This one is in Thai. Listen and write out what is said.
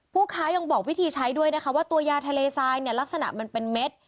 ค้ายังบอกวิธีใช้ด้วยนะคะว่าตัวยาทะเลทรายเนี่ยลักษณะมันเป็นเม็ด